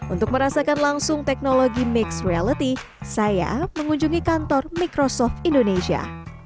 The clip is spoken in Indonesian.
untuk merasakan langsung teknologi mixed reality saya mengunjungi kantor microsoft indonesia